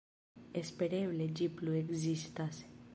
Espereble ĝi plu ekzistas.